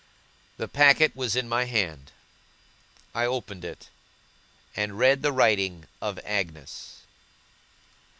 The packet was in my hand. I opened it, and read the writing of Agnes.